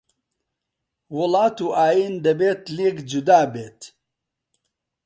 وڵات و ئایین دەبێت لێک جودابێت